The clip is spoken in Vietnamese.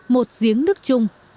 một giếng nước chung